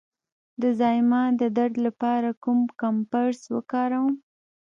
د زایمان د درد لپاره کوم کمپرس وکاروم؟